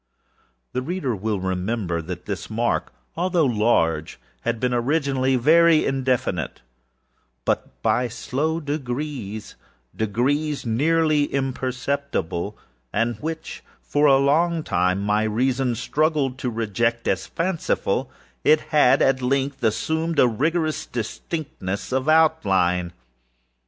The reader will remember that this mark, although large, had been originally very indefinite; but, by slow degreesâdegrees nearly imperceptible, and which for a long time my reason struggled to reject as fancifulâit had, at length, assumed a rigorous distinctness of outline.